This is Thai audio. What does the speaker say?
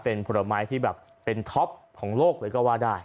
เป็นผลไม้ที่แบบเป็นท็อปของโลกเลยก็ว่าได้